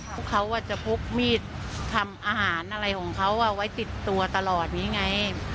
พวกเขาจะพกมีดทำอาหารอะไรของเขาไว้ติดตัวตลอดอย่างนี้ไง